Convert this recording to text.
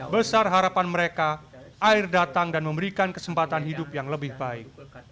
besar harapan mereka air datang dan memberikan kesempatan hidup yang lebih baik